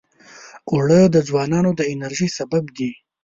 اوړه د ځوانانو د انرژۍ سبب دي